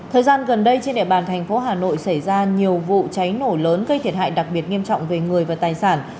thời gian gần đây trên địa bàn thành phố hà nội xảy ra nhiều vụ cháy nổ lớn gây thiệt hại đặc biệt nghiêm trọng về người và tài sản